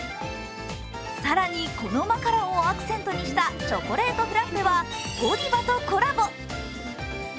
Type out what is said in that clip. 更に、このマカロンをアクセントにしたチョコレートフラッペはゴディバとコラボ。